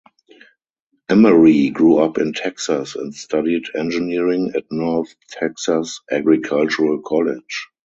Emery grew up in Texas and studied engineering at North Texas Agricultural College.